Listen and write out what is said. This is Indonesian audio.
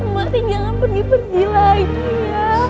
mbak tinggalin pergi pergi lagi ya